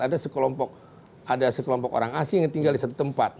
ada sekelompok orang asing yang tinggal di satu tempat